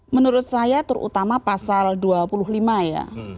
menurut saya terutama pasal dua puluh lima ya